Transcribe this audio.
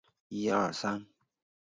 布尔人口变化图示